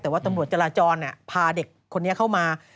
แต่ว่าตำรวจจราจรพาเด็กคนนี้เข้ามา